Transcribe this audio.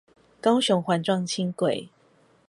高雄環狀輕軌